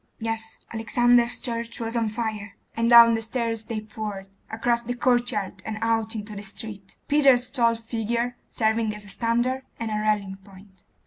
'Yes, Alexander's church was on fire;' and down the stairs they poured, across the courtyard, and out into the street, Peter's tall figure serving as a standard and a rallying point.